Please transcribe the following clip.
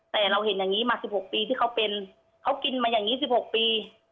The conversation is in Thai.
แต่เราเห็นอย่างนี้มา๑๖ปีที่เขาเป็นเขากินมาอย่างนี้๑๖ปี